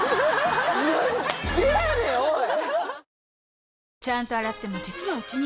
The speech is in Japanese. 何でやねんおい！